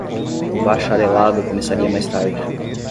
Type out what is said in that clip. O bacharelado começaria mais tarde.